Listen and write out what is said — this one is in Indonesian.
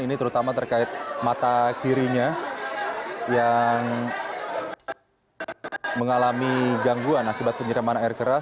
ini terutama terkait mata kirinya yang mengalami gangguan akibat penyiraman air keras